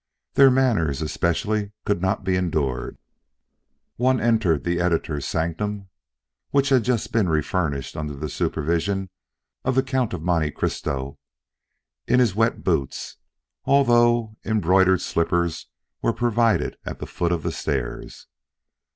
Their manners especially could not be endured One entered the Editor's sanctum (which had then just been refurnished under the supervision of the Count of Monte Cristo) in his wet boots, although embroidered slippers were provided at the foot of the stairs.